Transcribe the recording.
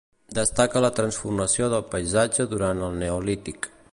Destaca la transformació del paisatge durant el Neolític.